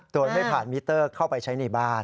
โดยไม่ผ่านมิเตอร์เข้าไปใช้ในบ้าน